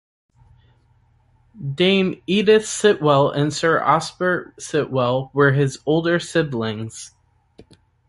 Dame Edith Sitwell and Sir Osbert Sitwell were his older siblings.